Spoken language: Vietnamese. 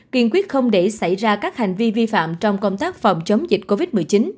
kiên quyết không để xảy ra các hành vi vi phạm trong công tác phòng chống dịch covid một mươi chín